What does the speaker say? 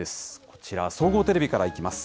こちら、総合テレビからいきます。